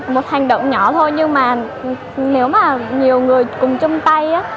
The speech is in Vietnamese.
một hành động nhỏ thôi nhưng mà nếu mà nhiều người cùng chung tay